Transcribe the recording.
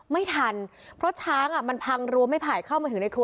ไม่ทันเพราะช้างมันพังรัวไม่ไผ่เข้ามาถึงในครัว